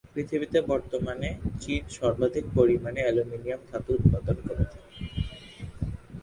পৃথিবীতে বর্তমানে চীন সর্বাধিক পরিমাণ অ্যালুমিনিয়াম ধাতু উৎপাদন করে থাকে।